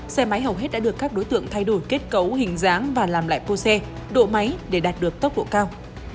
xe máy hầu hết đã được các đối tượng thay đổi kết cấu hình dáng và làm lại pô xe độ máy để đạt được tốc độ cao